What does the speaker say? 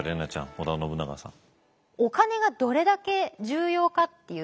織田信長さん。